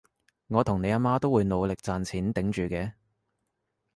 我同你阿媽都會努力賺錢頂住嘅